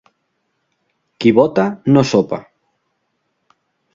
Qui vota no sopa.